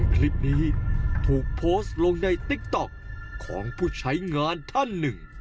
คลิปนี้ถูกโพสต์ลงในติ๊กต๊อกของผู้ใช้งานท่านหนึ่ง